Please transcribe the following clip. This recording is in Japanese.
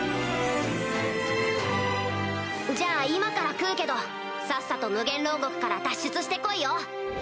じゃあ今から食うけどさっさと無限牢獄から脱出して来いよ！